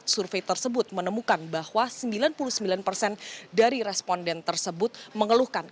survei tersebut menemukan bahwa sembilan puluh sembilan persen dari responden tersebut mengeluhkan